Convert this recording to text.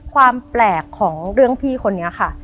ความแปลกของเรื่องพี่คนนี้ค่ะ